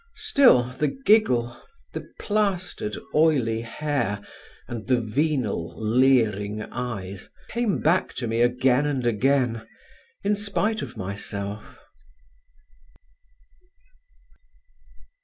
Still, the giggle, the plastered oily hair and the venal leering eyes came back to me again and again in spite of myself.